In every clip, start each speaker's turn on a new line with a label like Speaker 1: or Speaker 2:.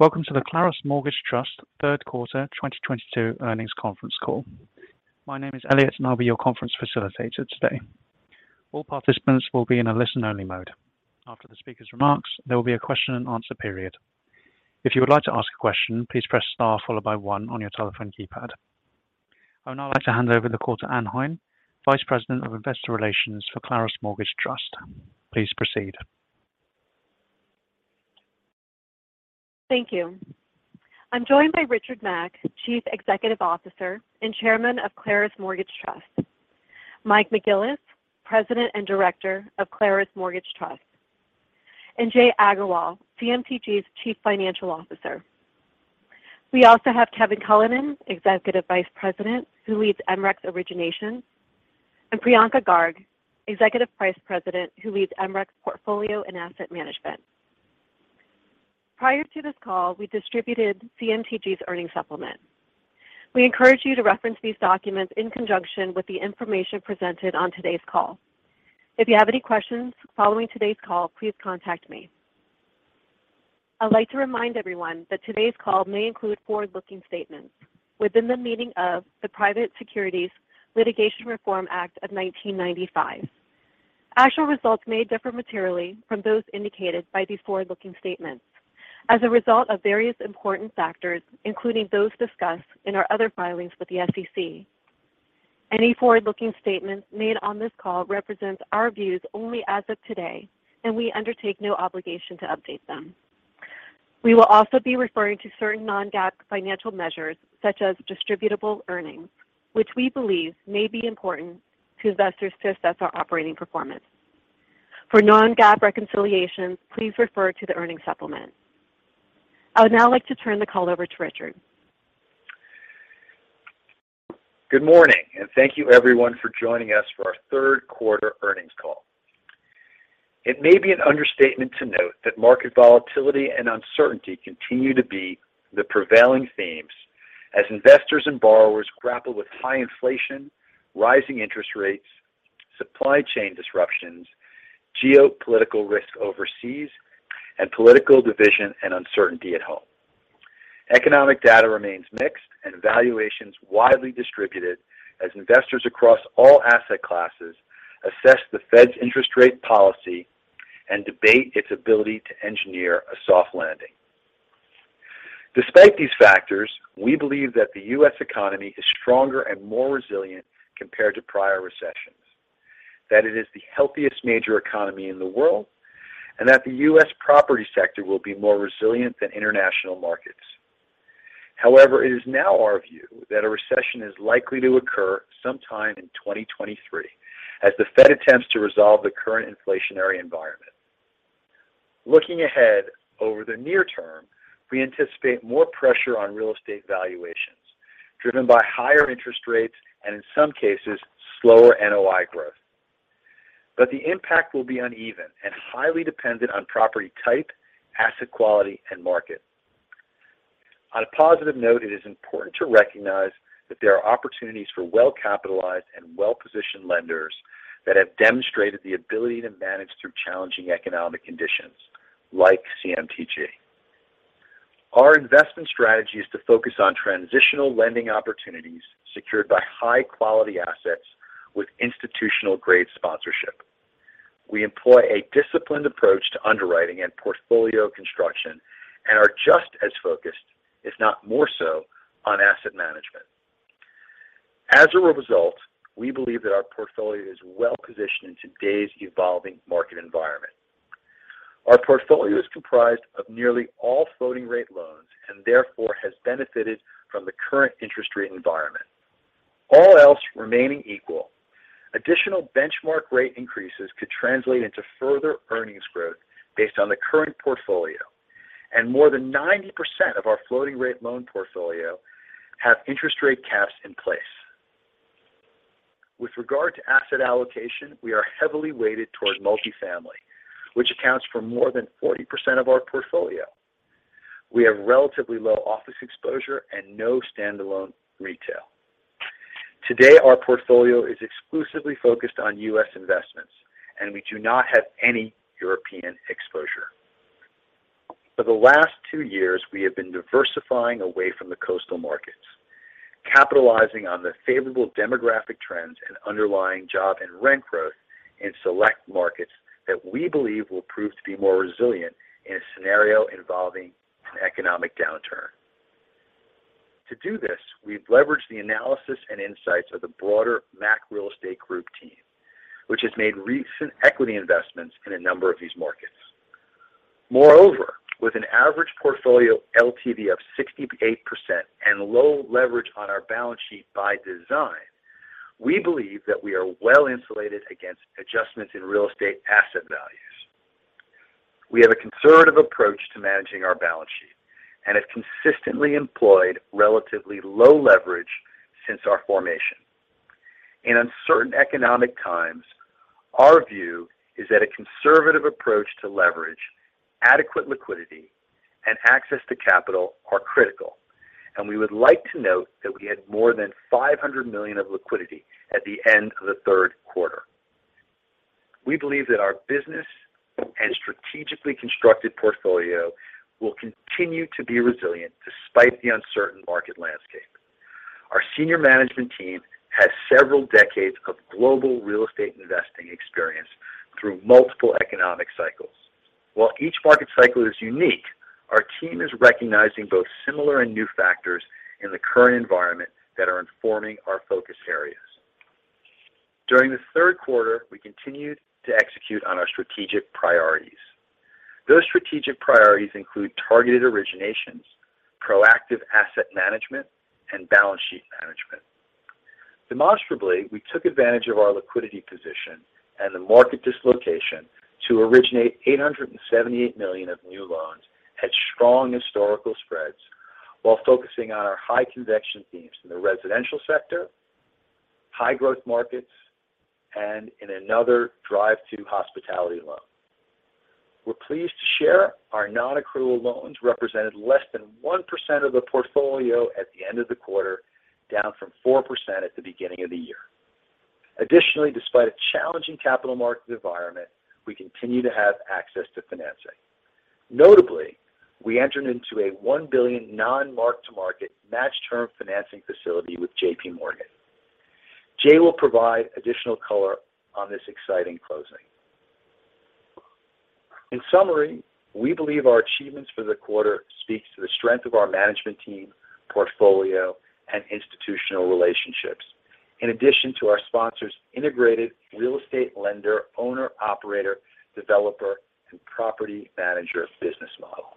Speaker 1: Welcome to the Claros Mortgage Trust third quarter 2022 earnings conference call. My name is Elliot, and I'll be your conference facilitator today. All participants will be in a listen-only mode. After the speaker's remarks, there will be a question and answer period. If you would like to ask a question, please press star followed by one on your telephone keypad. I would now like to hand over the call to Anh Huynh, Vice President of Investor Relations for Claros Mortgage Trust. Please proceed.
Speaker 2: Thank you. I'm joined by Richard Mack, Chief Executive Officer and Chairman of Claros Mortgage Trust, Mike McGillis, President and Director of Claros Mortgage Trust, and Jai Agarwal, CMTG's Chief Financial Officer. We also have Kevin Cullinan, Executive Vice President, who leads MRECS Origination, and Priyanka Garg, Executive Vice President, who leads MRECS Portfolio and Asset Management. Prior to this call, we distributed CMTG's earnings supplement. We encourage you to reference these documents in conjunction with the information presented on today's call. If you have any questions following today's call, please contact me. I'd like to remind everyone that today's call may include forward-looking statements within the meaning of the Private Securities Litigation Reform Act of 1995. Actual results may differ materially from those indicated by these forward-looking statements as a result of various important factors, including those discussed in our other filings with the SEC. Any forward-looking statements made on this call represent our views only as of today, and we undertake no obligation to update them. We will also be referring to certain non-GAAP financial measures, such as distributable earnings, which we believe may be important to investors to assess our operating performance. For non-GAAP reconciliations, please refer to the earnings supplement. I would now like to turn the call over to Richard.
Speaker 3: Good morning, and thank you everyone for joining us for our third quarter earnings call. It may be an understatement to note that market volatility and uncertainty continue to be the prevailing themes as investors and borrowers grapple with high inflation, rising interest rates, supply chain disruptions, geopolitical risk overseas, and political division and uncertainty at home. Economic data remains mixed and valuations widely distributed as investors across all asset classes assess the Fed's interest rate policy and debate its ability to engineer a soft landing. Despite these factors, we believe that the U.S. economy is stronger and more resilient compared to prior recessions, that it is the healthiest major economy in the world, and that the U.S. property sector will be more resilient than international markets. However, it is now our view that a recession is likely to occur sometime in 2023 as the Fed attempts to resolve the current inflationary environment. Looking ahead over the near term, we anticipate more pressure on real estate valuations driven by higher interest rates and, in some cases, slower NOI growth. The impact will be uneven and highly dependent on property type, asset quality, and market. On a positive note, it is important to recognize that there are opportunities for well-capitalized and well-positioned lenders that have demonstrated the ability to manage through challenging economic conditions like CMTG. Our investment strategy is to focus on transitional lending opportunities secured by high-quality assets with institutional-grade sponsorship. We employ a disciplined approach to underwriting and portfolio construction and are just as focused, if not more so, on asset management. As a result, we believe that our portfolio is well positioned in today's evolving market environment. Our portfolio is comprised of nearly all floating rate loans and therefore has benefited from the current interest rate environment. All else remaining equal, additional benchmark rate increases could translate into further earnings growth based on the current portfolio. More than 90% of our floating rate loan portfolio have interest rate caps in place. With regard to asset allocation, we are heavily weighted toward multifamily, which accounts for more than 40% of our portfolio. We have relatively low office exposure and no standalone retail. Today, our portfolio is exclusively focused on U.S. investments, and we do not have any European exposure. For the last two years, we have been diversifying away from the coastal markets, capitalizing on the favorable demographic trends and underlying job and rent growth in select markets that we believe will prove to be more resilient in a scenario involving an economic downturn. To do this, we've leveraged the analysis and insights of the broader Mack Real Estate Group team, which has made recent equity investments in a number of these markets. Moreover, with an average portfolio LTV of 68% and low leverage on our balance sheet by design, we believe that we are well insulated against adjustments in real estate asset values. We have a conservative approach to managing our balance sheet and have consistently employed relatively low leverage since our formation. In uncertain economic times, our view is that a conservative approach to leverage, adequate liquidity, and access to capital are critical, and we would like to note that we had more than $500 million of liquidity at the end of the third quarter. We believe that our business and strategically constructed portfolio will continue to be resilient despite the uncertain market landscape. Our senior management team has several decades of global real estate investing experience through multiple economic cycles. While each market cycle is unique, our team is recognizing both similar and new factors in the current environment that are informing our focus areas. During the third quarter, we continued to execute on our strategic priorities. Those strategic priorities include targeted originations, proactive asset management, and balance sheet management. Demonstrably, we took advantage of our liquidity position and the market dislocation to originate $878 million of new loans at strong historical spreads while focusing on our high conviction themes in the residential sector, high growth markets, and in another drive to hospitality loan. We're pleased to share our non-accrual loans represented less than 1% of the portfolio at the end of the quarter, down from 4% at the beginning of the year. Additionally, despite a challenging capital market environment, we continue to have access to financing. Notably, we entered into a $1 billion non-mark-to-market matched term financing facility with JPMorgan. Jai will provide additional color on this exciting closing. In summary, we believe our achievements for the quarter speaks to the strength of our management team, portfolio, and institutional relationships. In addition to our sponsor's integrated real estate lender, owner, operator, developer, and property manager business model.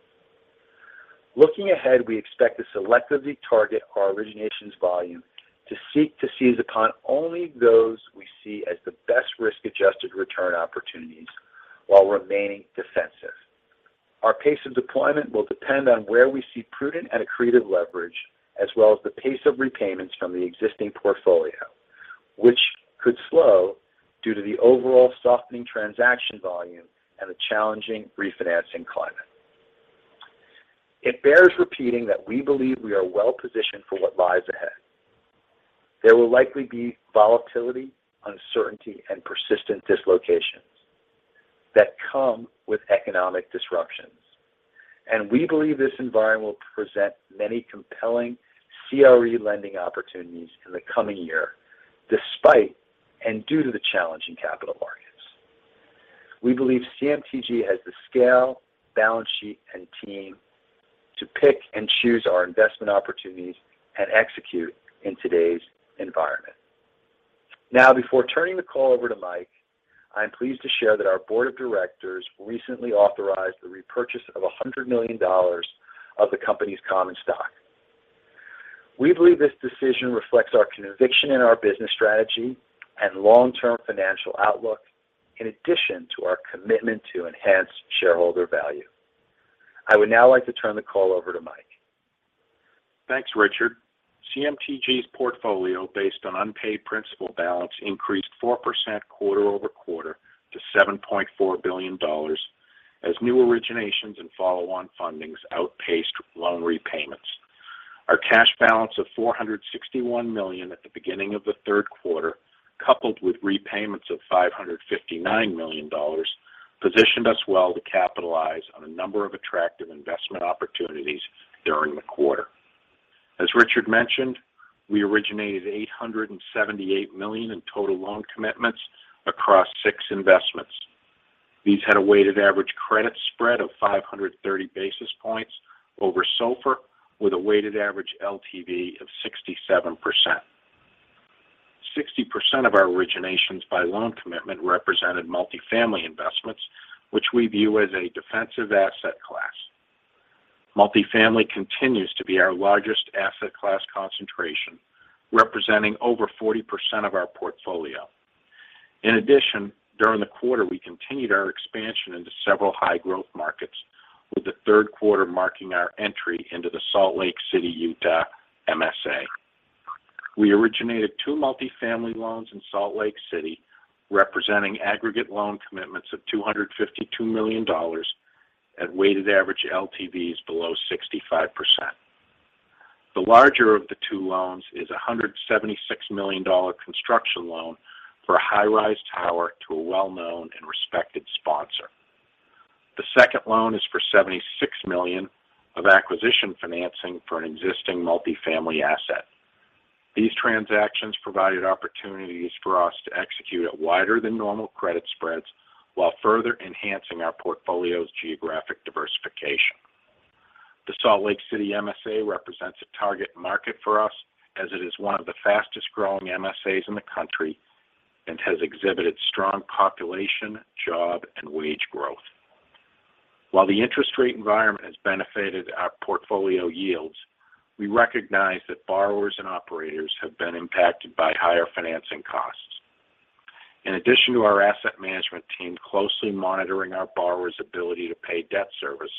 Speaker 3: Looking ahead, we expect to selectively target our originations volume to seek to seize upon only those we see as the best risk-adjusted return opportunities while remaining defensive. Our pace of deployment will depend on where we see prudent and accretive leverage, as well as the pace of repayments from the existing portfolio, which could slow due to the overall softening transaction volume and the challenging refinancing climate. It bears repeating that we believe we are well positioned for what lies ahead. There will likely be volatility, uncertainty, and persistent dislocations that come with economic disruptions, and we believe this environment will present many compelling CRE lending opportunities in the coming year, despite and due to the challenging capital markets. We believe CMTG has the scale, balance sheet, and team to pick and choose our investment opportunities and execute in today's environment. Now, before turning the call over to Mike, I'm pleased to share that our Board of Directors recently authorized the repurchase of $100 million of the company's common stock. We believe this decision reflects our conviction in our business strategy and long-term financial outlook, in addition to our commitment to enhance shareholder value. I would now like to turn the call over to Mike.
Speaker 4: Thanks, Richard. CMTG's portfolio, based on unpaid principal balance, increased 4% quarter-over-quarter to $7.4 billion as new originations and follow-on fundings outpaced loan repayments. Our cash balance of $461 million at the beginning of the third quarter, coupled with repayments of $559 million, positioned us well to capitalize on a number of attractive investment opportunities during the quarter. As Richard mentioned, we originated $878 million in total loan commitments across six investments. These had a weighted average credit spread of 530 basis points over SOFR, with a weighted average LTV of 67%. 60% of our originations by loan commitment represented multifamily investments, which we view as a defensive asset class. Multifamily continues to be our largest asset class concentration, representing over 40% of our portfolio. In addition, during the quarter, we continued our expansion into several high growth markets, with the third quarter marking our entry into the Salt Lake City, Utah, MSA. We originated two multifamily loans in Salt Lake City, representing aggregate loan commitments of $252 million at weighted average LTVs below 65%. The larger of the two loans is a $176 million construction loan for a high-rise tower to a well-known and respected sponsor. The second loan is for $76 million of acquisition financing for an existing multifamily asset. These transactions provided opportunities for us to execute at wider than normal credit spreads while further enhancing our portfolio's geographic diversification. The Salt Lake City MSA represents a target market for us as it is one of the fastest-growing MSAs in the country and has exhibited strong population, job, and wage growth. While the interest rate environment has benefited our portfolio yields, we recognize that borrowers and operators have been impacted by higher financing costs. In addition to our asset management team closely monitoring our borrower's ability to pay debt service,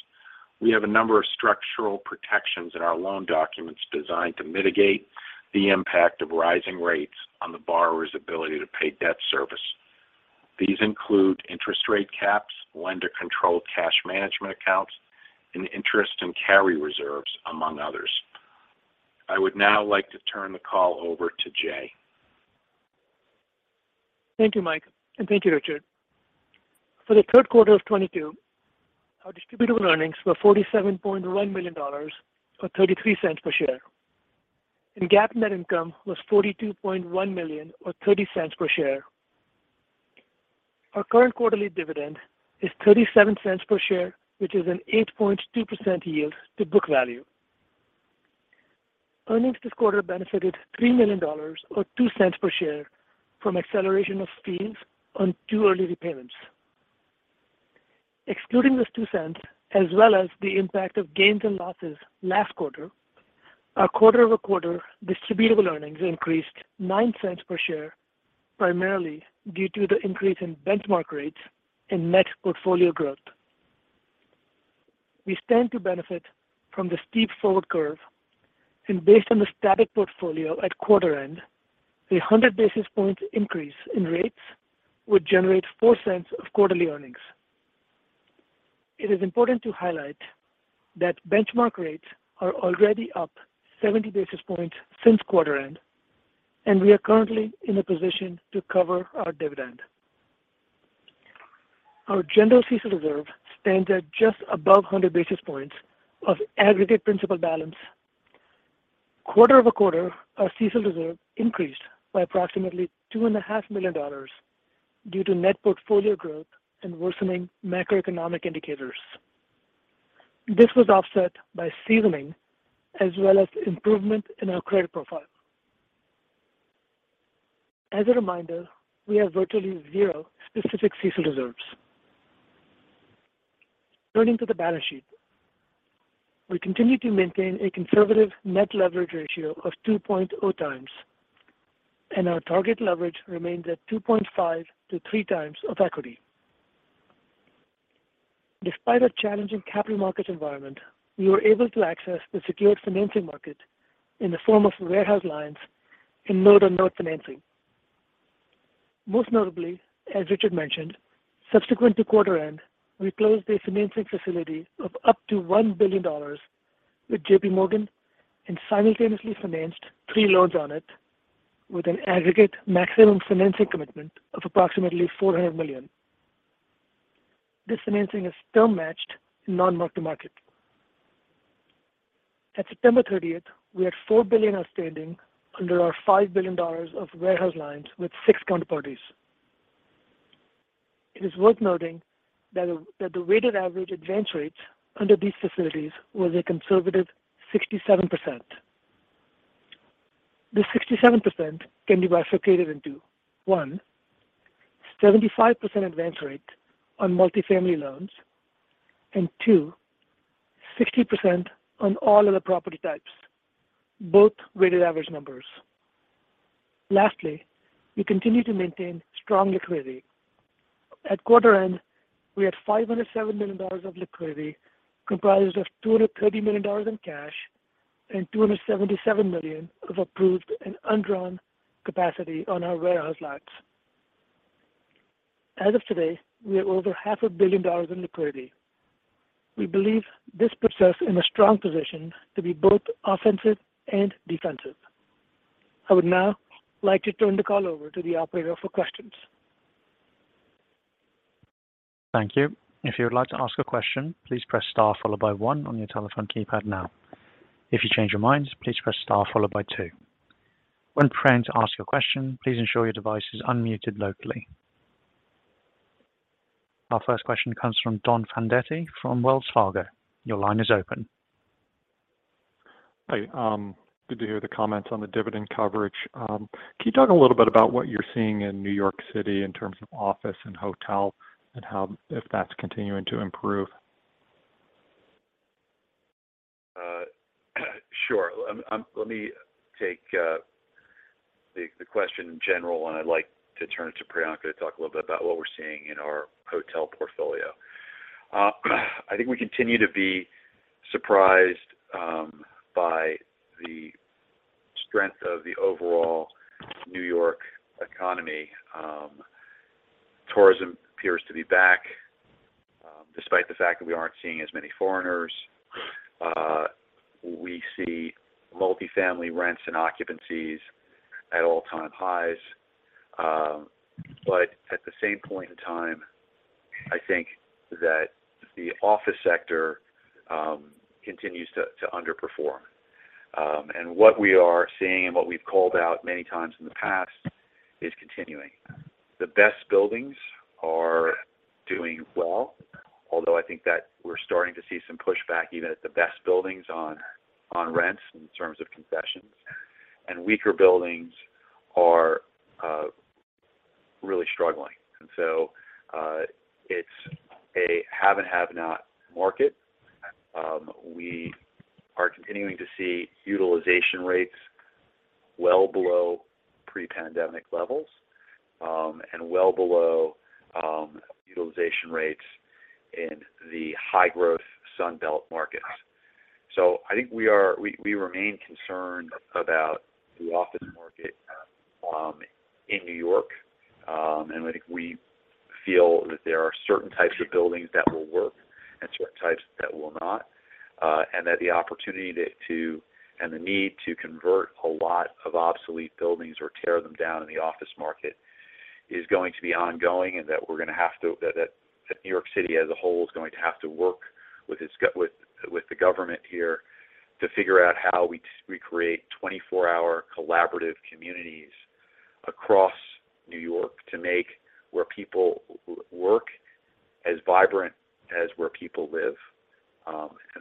Speaker 4: we have a number of structural protections in our loan documents designed to mitigate the impact of rising rates on the borrower's ability to pay debt service. These include interest rate caps, lender-controlled cash management accounts, and interest and carry reserves, among others.
Speaker 3: I would now like to turn the call over to Jai.
Speaker 5: Thank you, Mike, and thank you, Richard. For the third quarter of 2022, our distributable earnings were $47.1 million or $0.33 per share, and GAAP net income was $42.1 million or $0.30 per share. Our current quarterly dividend is $0.37 per share, which is an 8.2% yield to book value. Earnings this quarter benefited $3 million or $0.02 per share from acceleration of fees on two early repayments. Excluding these $0.02, as well as the impact of gains and losses last quarter, our quarter-over-quarter distributable earnings increased $0.09 per share, primarily due to the increase in benchmark rates and net portfolio growth. We stand to benefit from the steep forward curve and based on the static portfolio at quarter end, 100 basis points increase in rates would generate $0.04 of quarterly earnings. It is important to highlight that benchmark rates are already up 70 basis points since quarter end, and we are currently in a position to cover our dividend. Our general CECL reserve stands at just above 100 basis points of aggregate principal balance. Quarter-over-quarter, our CECL reserve increased by approximately $2.5 million due to net portfolio growth and worsening macroeconomic indicators. This was offset by seasoning as well as improvement in our credit profile. As a reminder, we have virtually zero specific CECL reserves. Turning to the balance sheet. We continue to maintain a conservative net leverage ratio of 2.0x, and our target leverage remains at 2.5x-3x equity. Despite a challenging capital market environment, we were able to access the secured financing market in the form of warehouse lines and note-on-note financing. Most notably, as Richard mentioned, subsequent to quarter end, we closed a financing facility of up to $1 billion with JPMorgan and simultaneously financed three loans on it with an aggregate maximum financing commitment of approximately $400 million. This financing is still matched in non-mark-to-market. At September 30th, we had $4 billion outstanding under our $5 billion of warehouse lines with six counterparties. It is worth noting that the weighted average advance rates under these facilities was a conservative 67%. This 67% can be bifurcated into one, 75% advance rate on multifamily loans, and two, 60% on all other property types, both weighted average numbers. Lastly, we continue to maintain strong liquidity. At quarter end, we had $507 million of liquidity, comprised of $230 million in cash and $277 million of approved and undrawn capacity on our warehouse lines. As of today, we have over half a billion dollars in liquidity. We believe this puts us in a strong position to be both offensive and defensive. I would now like to turn the call over to the operator for questions.
Speaker 1: Thank you. If you would like to ask a question, please press star followed by one on your telephone keypad now. If you change your mind, please press star followed by two. When preparing to ask your question, please ensure your device is unmuted locally. Our first question comes from Don Fandetti from Wells Fargo. Your line is open.
Speaker 6: Hi. Good to hear the comments on the dividend coverage. Can you talk a little bit about what you're seeing in New York City in terms of office and hotel and how if that's continuing to improve?
Speaker 3: Sure. Let me take the question in general, and I'd like to turn it to Priyanka to talk a little bit about what we're seeing in our hotel portfolio. I think we continue to be surprised by the strength of the overall New York economy. Tourism appears to be back despite the fact that we aren't seeing as many foreigners. We see multifamily rents and occupancies at all-time highs. At the same point in time, I think that the office sector continues to underperform. What we are seeing and what we've called out many times in the past is continuing. The best buildings are doing well. Although I think that we're starting to see some pushback even at the best buildings on rents in terms of concessions. Weaker buildings are really struggling. It's a have and have not market. We are continuing to see utilization rates well below pre-pandemic levels, and well below utilization rates in the high-growth Sun Belt markets. I think we remain concerned about the office market in New York, and I think we feel that there are certain types of buildings that will work and certain types that will not. That the opportunity to and the need to convert a lot of obsolete buildings or tear them down in the office market is going to be ongoing, and that we're gonna have to that New York City as a whole is going to have to work with the government here to figure out how we create 24-hour collaborative communities across New York to make where people work as vibrant as where people live.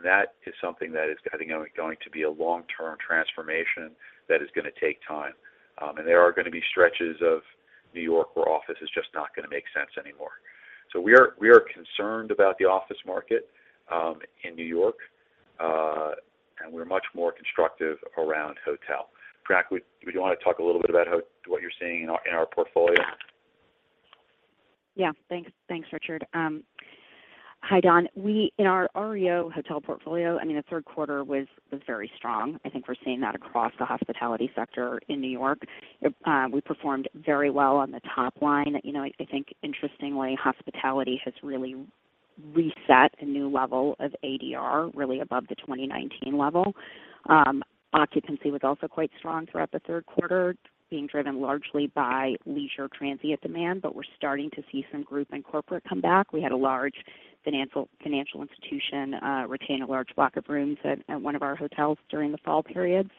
Speaker 3: That is something that is definitely going to be a long-term transformation that is gonna take time. There are gonna be stretches of New York where office is just not gonna make sense anymore. We are concerned about the office market in New York, and we're much more constructive around hotel. Priyanka, would you wanna talk a little bit about what you're seeing in our portfolio?
Speaker 7: Yeah. Thanks. Thanks, Richard. Hi, Don. In our REO hotel portfolio, I mean, the third quarter was very strong. I think we're seeing that across the hospitality sector in New York. We performed very well on the top line. You know, I think interestingly, hospitality has really reset a new level of ADR really above the 2019 level. Occupancy was also quite strong throughout the third quarter, being driven largely by leisure transient demand, but we're starting to see some group and corporate come back. We had a large financial institution retain a large block of rooms at one of our hotels during the fall period.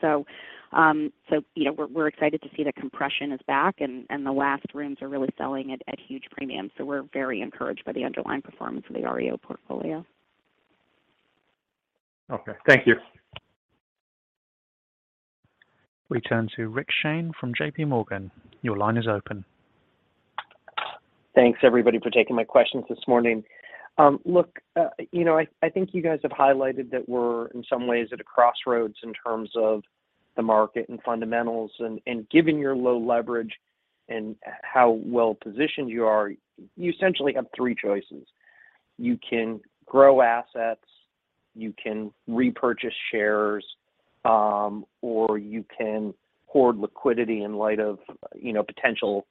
Speaker 7: You know, we're excited to see the compression is back and the last rooms are really selling at huge premiums. We're very encouraged by the underlying performance of the REO portfolio.
Speaker 6: Okay. Thank you.
Speaker 1: We turn to Rick Shane from JPMorgan. Your line is open.
Speaker 8: Thanks everybody for taking my questions this morning. Look, you know, I think you guys have highlighted that we're in some ways at a crossroads in terms of the market and fundamentals. Given your low leverage and how well positioned you are, you essentially have three choices. You can grow assets, you can repurchase shares, or you can hoard liquidity in light of, you know, potential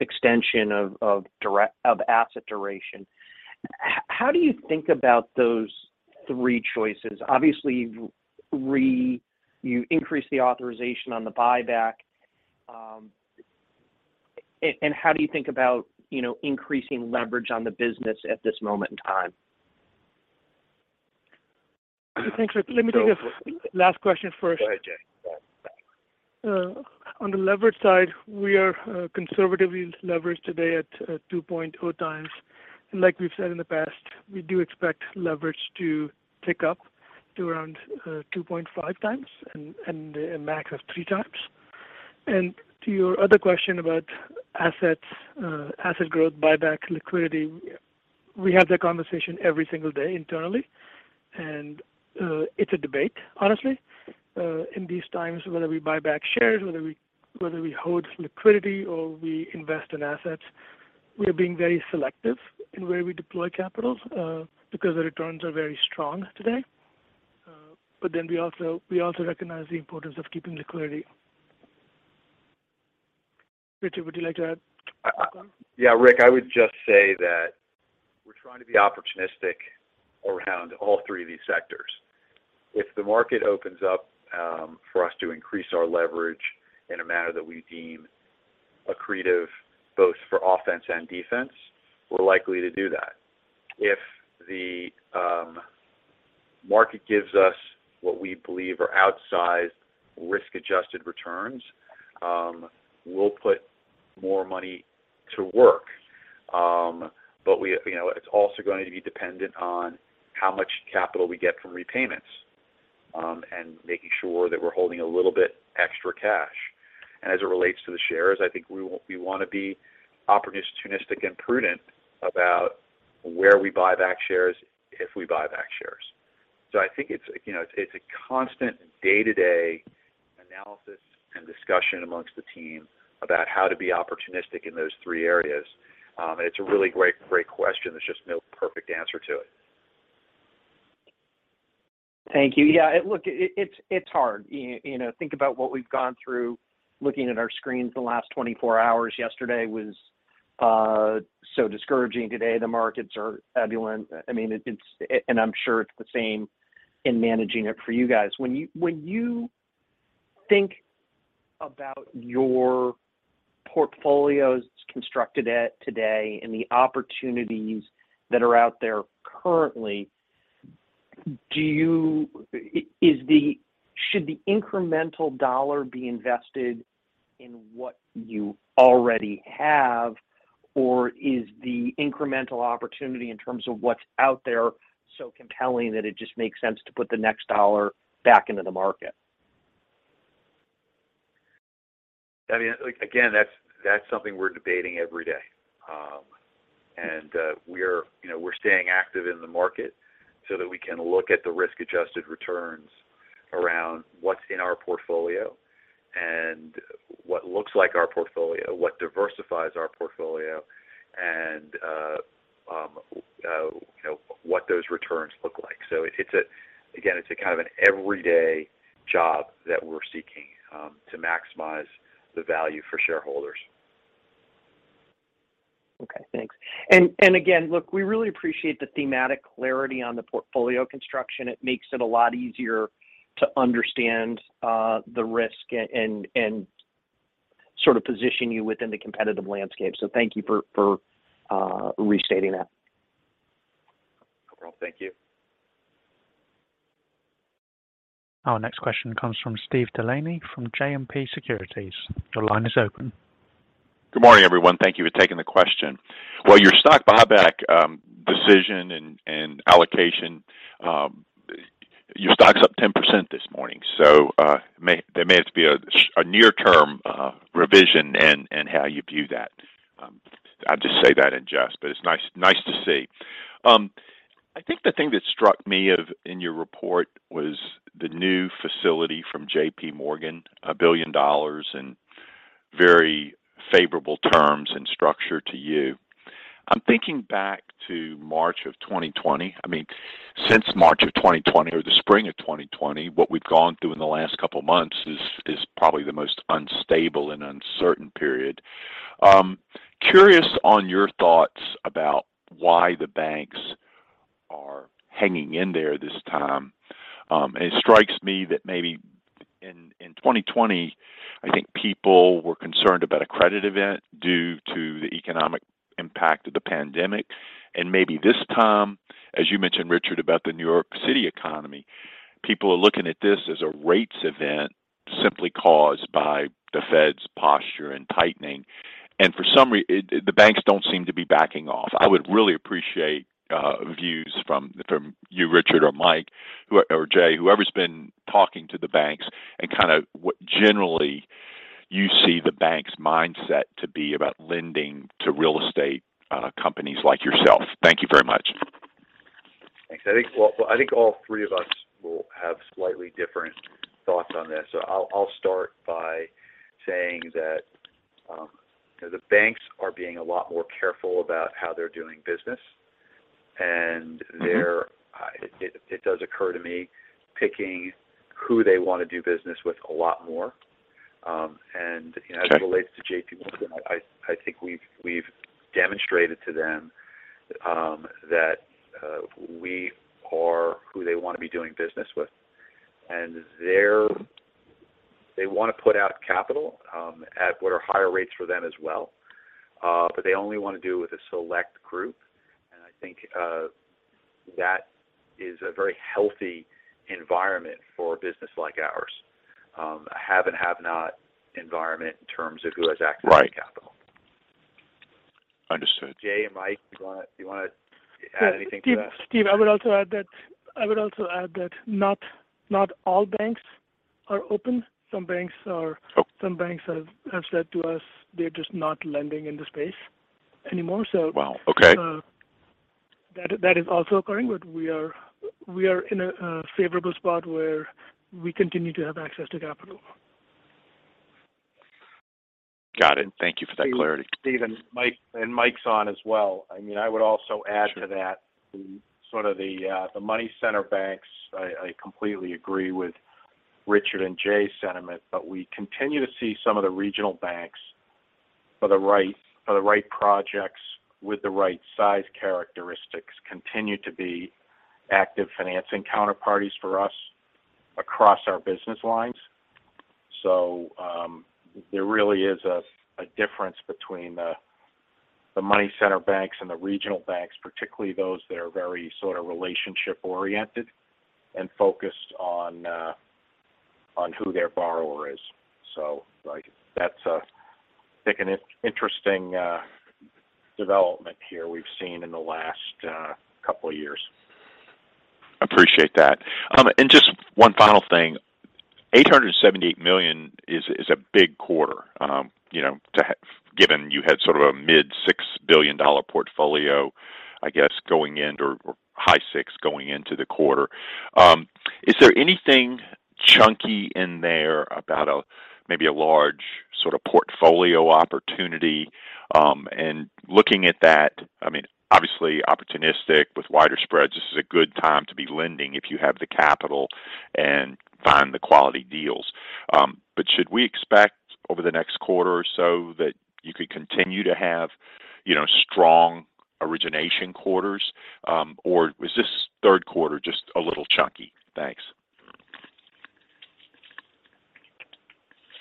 Speaker 8: extension of asset duration. How do you think about those three choices? Obviously, you increased the authorization on the buyback, and how do you think about, you know, increasing leverage on the business at this moment in time?
Speaker 5: Thanks, Rick. Let me take the last question first.
Speaker 3: Go ahead, Jai. Yeah.
Speaker 5: On the leverage side, we are conservatively leveraged today at 2.0x. Like we've said in the past, we do expect leverage to tick up to around 2.5x and a max of 3x. To your other question about assets, asset growth, buyback, liquidity, we have that conversation every single day internally, and it's a debate, honestly. In these times, whether we buy back shares, whether we hold liquidity or we invest in assets, we are being very selective in where we deploy capital because the returns are very strong today. But then we also recognize the importance of keeping liquidity. Richard, would you like to add?
Speaker 3: Yeah, Rick, I would just say that we're trying to be opportunistic around all three of these sectors. If the market opens up for us to increase our leverage in a manner that we deem accretive both for offense and defense, we're likely to do that. If the market gives us what we believe are outsized risk-adjusted returns, we'll put more money to work. But you know, it's also going to be dependent on how much capital we get from repayments and making sure that we're holding a little bit extra cash. As it relates to the shares, I think we wanna be opportunistic and prudent about where we buy back shares if we buy back shares. I think it's, you know, it's a constant day-to-day analysis and discussion among the team about how to be opportunistic in those three areas. It's a really great question. There's just no perfect answer to it.
Speaker 8: Thank you. Yeah. Look, it's hard. You know, think about what we've gone through looking at our screens the last 24 hours. Yesterday was so discouraging. Today, the markets are ebullient. I mean, I'm sure it's the same in managing it for you guys. When you think about your portfolio as it's constructed today and the opportunities that are out there currently, should the incremental dollar be invested in what you already have, or is the incremental opportunity in terms of what's out there so compelling that it just makes sense to put the next dollar back into the market?
Speaker 3: I mean, like, again, that's something we're debating every day. We're, you know, staying active in the market so that we can look at the risk-adjusted returns around what's in our portfolio and what looks like our portfolio, what diversifies our portfolio, and you know, what those returns look like. Again, it's a kind of an everyday job that we're seeking to maximize the value for shareholders.
Speaker 8: Okay, thanks. Again, look, we really appreciate the thematic clarity on the portfolio construction. It makes it a lot easier to understand the risk and sort of position you within the competitive landscape. Thank you for restating that.
Speaker 3: Well, thank you.
Speaker 1: Our next question comes from Steve DeLaney from JMP Securities. Your line is open.
Speaker 9: Good morning, everyone. Thank you for taking the question. Well, your stock buyback decision and allocation, your stock's up 10% this morning, so there may have to be a near-term revision in how you view that. I just said that in jest, but it's nice to see. I think the thing that struck me in your report was the new facility from JPMorgan, $1 billion in very favorable terms and structure to you. I'm thinking back to March of 2020. I mean, since March of 2020 or the spring of 2020, what we've gone through in the last couple of months is probably the most unstable and uncertain period. I'm curious on your thoughts about why the banks are hanging in there this time. It strikes me that maybe in 2020, I think people were concerned about a credit event due to the economic impact of the pandemic. Maybe this time, as you mentioned, Richard, about the New York City economy, people are looking at this as a rates event simply caused by the Fed's posture and tightening. The banks don't seem to be backing off. I would really appreciate views from you, Richard or Mike or Jai, whoever's been talking to the banks, and kind of what generally you see the banks' mindset to be about lending to real estate companies like yourself. Thank you very much.
Speaker 3: Thanks. Well, I think all three of us will have slightly different thoughts on this. I'll start by saying that, you know, the banks are being a lot more careful about how they're doing business. They're
Speaker 9: Mm-hmm.
Speaker 3: It does occur to me picking who they wanna do business with a lot more.
Speaker 9: Sure.
Speaker 3: You know, as it relates to JPMorgan, I think we've demonstrated to them that we are who they wanna be doing business with. They wanna put out capital at what are higher rates for them as well, but they only wanna do with a select group. I think that is a very healthy environment for a business like ours. A have and have-not environment in terms of who has access.
Speaker 9: Right.
Speaker 3: to capital.
Speaker 9: Understood.
Speaker 3: Jay and Mike, do you wanna add anything to that?
Speaker 5: Steve, I would also add that not all banks are open. Some banks are
Speaker 9: Oh.
Speaker 5: Some banks have said to us they're just not lending in the space anymore, so.
Speaker 9: Wow. Okay.
Speaker 5: That is also occurring, but we are in a favorable spot where we continue to have access to capital.
Speaker 9: Got it. Thank you for that clarity.
Speaker 4: Steve and Mike's on as well. I mean, I would also add to that the sort of money center banks. I completely agree with Richard and Jai's sentiment, but we continue to see some of the regional banks for the right projects with the right size characteristics continue to be active financing counterparties for us across our business lines. There really is a difference between the money center banks and the regional banks, particularly those that are very sort of relationship-oriented and focused on who their borrower is. Like, that's. It's been an interesting development that we've seen in the last couple of years.
Speaker 9: Appreciate that. Just one final thing. $878 million is a big quarter, you know, to have given you had sort of a mid-$6 billion portfolio, I guess, going into or high six going into the quarter. Is there anything chunky in there about a maybe a large sort of portfolio opportunity? Looking at that, I mean, obviously opportunistic with wider spreads, this is a good time to be lending if you have the capital and find the quality deals. Should we expect over the next quarter or so that you could continue to have, you know, strong origination quarters? Was this third quarter just a little chunky? Thanks.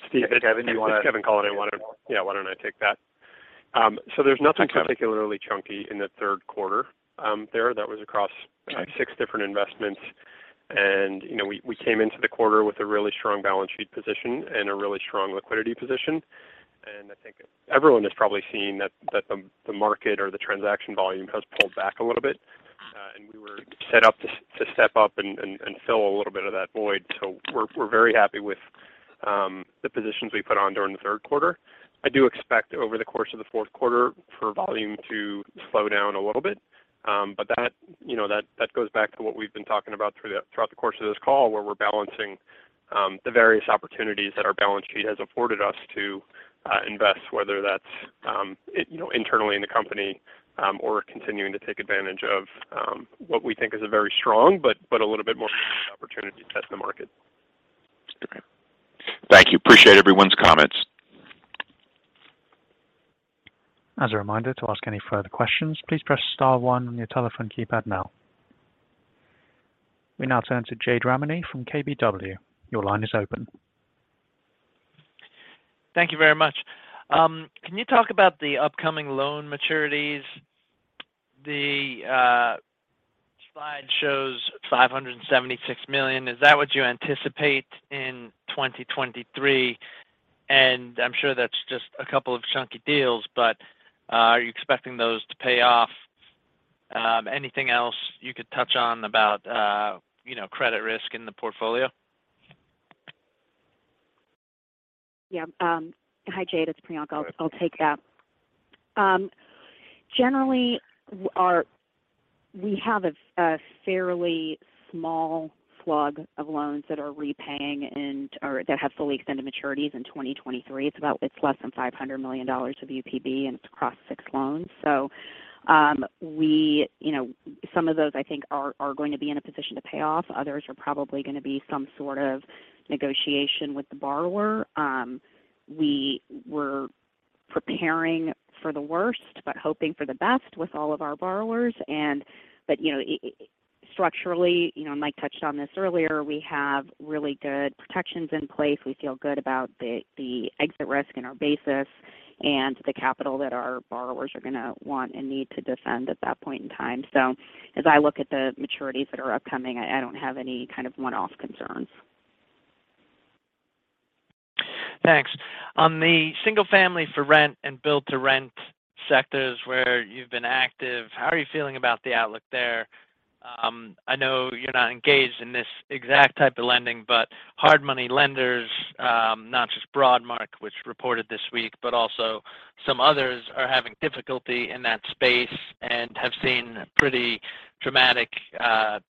Speaker 10: Steve-
Speaker 3: Kevin, do you wanna-
Speaker 10: This is Kevin Cullinan. Yeah, why don't I take that? There's nothing particularly chunky in the third quarter, there. That was across, like six different investments. You know, we came into the quarter with a really strong balance sheet position and a really strong liquidity position. I think everyone has probably seen that the market or the transaction volume has pulled back a little bit, and we were set up to step up and fill a little bit of that void. We're very happy with the positions we put on during the third quarter. I do expect over the course of the fourth quarter for volume to slow down a little bit. That, you know, goes back to what we've been talking about throughout the course of this call, where we're balancing the various opportunities that our balance sheet has afforded us to invest, whether that's, you know, internally in the company, or continuing to take advantage of what we think is a very strong, but a little bit more opportunity to test the market.
Speaker 3: Thank you. Appreciate everyone's comments.
Speaker 1: As a reminder, to ask any further questions, please press star one on your telephone keypad now. We now turn to Jade Rahmani from KBW. Your line is open.
Speaker 11: Thank you very much. Can you talk about the upcoming loan maturities? The slide shows $576 million. Is that what you anticipate in 2023? I'm sure that's just a couple of chunky deals, but are you expecting those to pay off? Anything else you could touch on about, you know, credit risk in the portfolio?
Speaker 7: Yeah. Hi, Jade. It's Priyanka. I'll take that. Generally we have a fairly small slug of loans that are repaying or that have fully extended maturities in 2023. It's less than $500 million of UPB, and it's across six loans. So, we, you know, some of those I think are going to be in a position to pay off. Others are probably gonna be some sort of negotiation with the borrower. We were preparing for the worst but hoping for the best with all of our borrowers. Structurally, you know, Mike McGillis touched on this earlier, we have really good protections in place. We feel good about the exit risk and our basis and the capital that our borrowers are gonna want and need to defend at that point in time. As I look at the maturities that are upcoming, I don't have any kind of one-off concerns.
Speaker 11: Thanks. On the single-family for-rent and Build-to-Rent sectors where you've been active, how are you feeling about the outlook there? I know you're not engaged in this exact type of lending, but hard money lenders, not just Broadmark, which reported this week, but also some others are having difficulty in that space and have seen pretty dramatic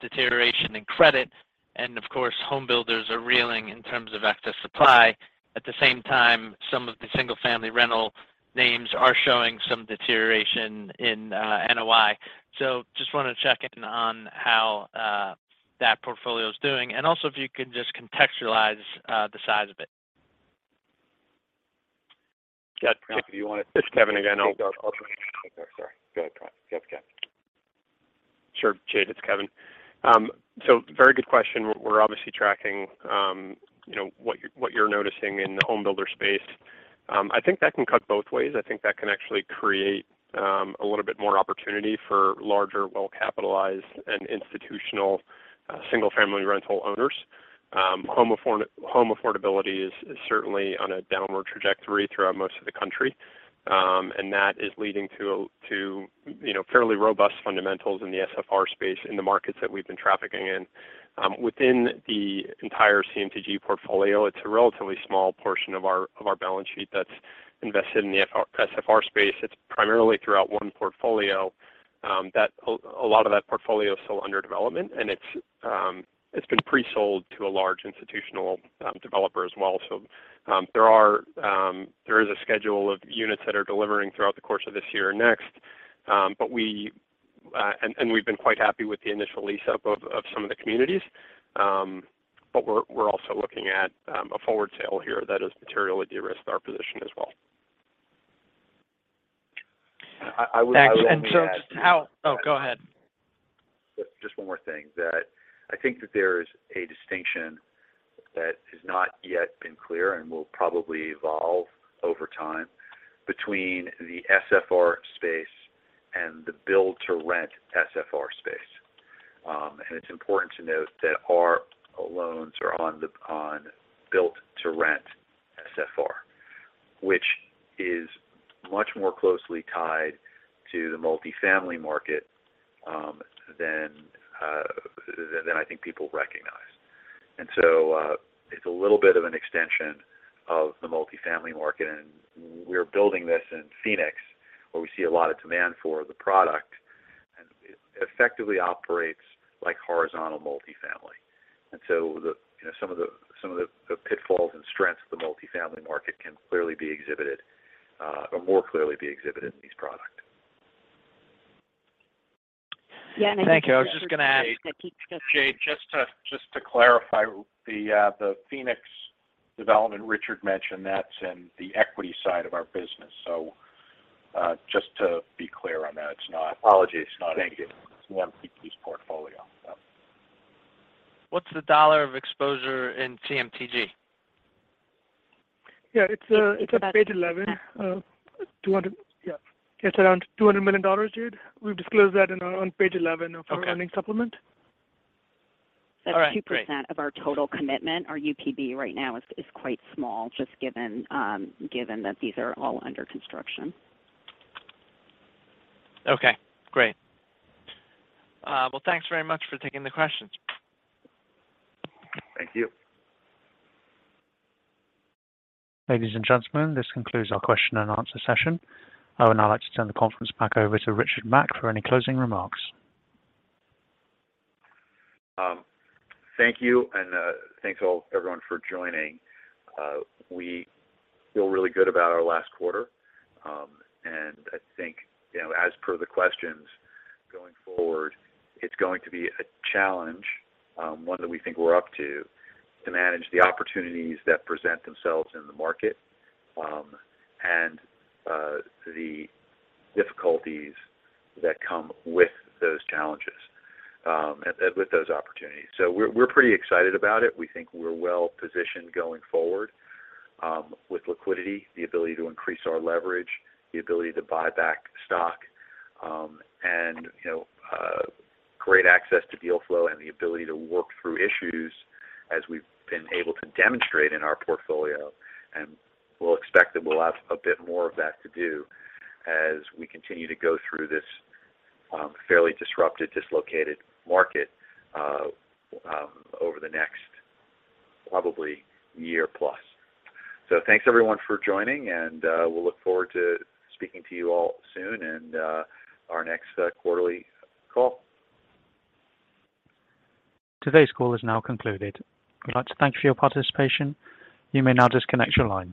Speaker 11: deterioration in credit. Of course, home builders are reeling in terms of excess supply. At the same time, some of the Single-Family Rental names are showing some deterioration in NOI. Just wanna check in on how that portfolio is doing and also if you can just contextualize the size of it.
Speaker 10: If you wanna-
Speaker 3: It's Kevin again.
Speaker 10: Sorry. Go ahead. Yes, Kevin. Sure. Jade, it's Kevin. Very good question. We're obviously tracking you know, what you're noticing in the home builder space. I think that can cut both ways. I think that can actually create a little bit more opportunity for larger, well-capitalized and institutional Single-Family Rental owners. Home affordability is certainly on a downward trajectory throughout most of the country. That is leading to you know, fairly robust fundamentals in the SFR space in the markets that we've been trafficking in. Within the entire CMTG portfolio, it's a relatively small portion of our balance sheet that's invested in the SFR space. It's primarily throughout one portfolio that a lot of that portfolio is still under development. It's been pre-sold to a large institutional developer as well. There is a schedule of units that are delivering throughout the course of this year and next. We've been quite happy with the initial lease-up of some of the communities. We're also looking at a forward sale here that has materially de-risked our position as well.
Speaker 3: I would-
Speaker 11: Thanks. Oh, go ahead.
Speaker 3: Just one more thing that I think there's a distinction that has not yet been clear and will probably evolve over time between the SFR space and the Build-to-Rent SFR space. It's important to note that our loans are on Build-to-Rent SFR, which is much more closely tied to the multifamily market than I think people recognize. It's a little bit of an extension of the multifamily market, and we're building this in Phoenix, where we see a lot of demand for the product, and it effectively operates like horizontal multifamily. Some of the pitfalls and strengths of the multifamily market can clearly be exhibited, or more clearly be exhibited in these products.
Speaker 7: Yeah.
Speaker 11: Thank you. I was just gonna ask.
Speaker 3: Jade, just to clarify the Phoenix development Richard mentioned, that's in the equity side of our business. Just to be clear on that, it's not in the CMTG's portfolio.
Speaker 11: What's the dollar exposure in CMTG?
Speaker 5: It's on page 11. 200. It's around $200 million, Jade. We've disclosed that in our own page 11 of our earnings supplement.
Speaker 11: All right. Great.
Speaker 7: That's 2% of our total commitment. Our UPB right now is quite small, just given that these are all under construction.
Speaker 11: Okay, great. Well, thanks very much for taking the questions.
Speaker 3: Thank you.
Speaker 1: Ladies and gentlemen, this concludes our question and answer session. I would now like to turn the conference back over to Richard Mack for any closing remarks.
Speaker 3: Thank you, thanks everyone for joining. We feel really good about our last quarter. I think, you know, as per the questions going forward, it's going to be a challenge, one that we think we're up to manage the opportunities that present themselves in the market, and the difficulties that come with those challenges, with those opportunities. We're pretty excited about it. We think we're well-positioned going forward, with liquidity, the ability to increase our leverage, the ability to buy back stock, and, you know, great access to deal flow and the ability to work through issues as we've been able to demonstrate in our portfolio. We'll expect that we'll have a bit more of that to do as we continue to go through this fairly disrupted, dislocated market over the next probably year plus. Thanks everyone for joining, and we'll look forward to speaking to you all soon in our next quarterly call.
Speaker 1: Today's call is now concluded. We'd like to thank you for your participation. You may now disconnect your lines.